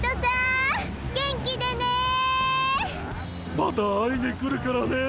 また会いに来るからね！